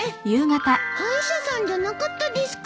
歯医者さんじゃなかったですか？